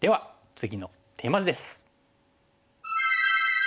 次のテーマ図です。